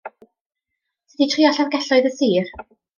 Ti 'di trio llyfrgelloedd y sir?